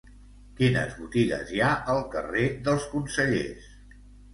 Quines botigues hi ha al carrer dels Consellers?